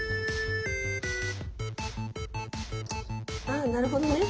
あっなるほどね。